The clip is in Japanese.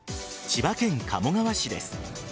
千葉県鴨川市です。